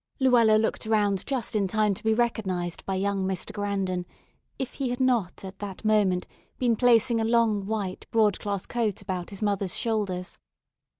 Luella looked around just in time to be recognized by young Mr. Grandon if he had not at that moment been placing a long white broadcloth coat about his mother's shoulders.